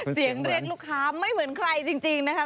เรียกลูกค้าไม่เหมือนใครจริงนะคะ